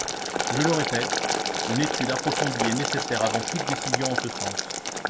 Je le répète : une étude approfondie est nécessaire avant toute décision en ce sens.